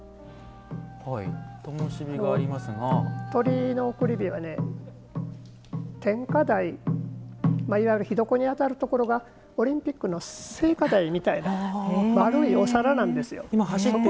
鳥居の送り火は点火台いわゆる火床に当たるところがオリンピックの聖火台みたいな丸いお皿なんですよ。